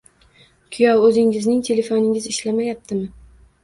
Kuyov, o`zingizning telefoningiz ishlamayaptimi